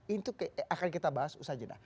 itu akan kita bahas usaha jenah